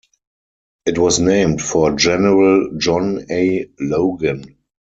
It was named for General John A. Logan.